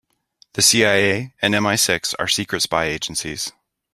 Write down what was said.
The CIA and MI-Six are secret spy agencies.